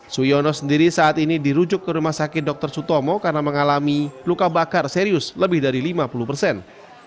suyono sendiri saat ini dirujuk ke rumah sakit dr sutomo karena mengalami luka bakar serius lebih dari lima puluh persen